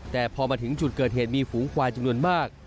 แต่พอมาถึงจุดเกิดเหตุมีฝูงควายจำนวนมาก